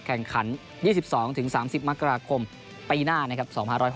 แข่งขัน๒๒๓๐มกราคมปีหน้านะครับ